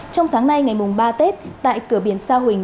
trong sáng nay ngày mùng ba tết tại cửa biển sa huỳnh